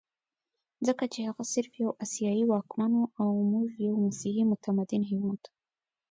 ځکه چې هغه صرف یو اسیایي واکمن وو او موږ یو مسیحي متمدن هېواد.